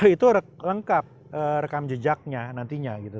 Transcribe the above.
itu lengkap rekam jejaknya nantinya gitu